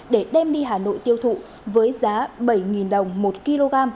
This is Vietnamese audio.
để đem đi hà nội tiêu thụ với giá bảy đồng một kg